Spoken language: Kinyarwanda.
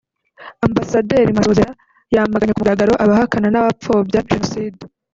Ambasaderi Masozera yamaganye ku mugaragaro abahakana n’abapfobya Jenoside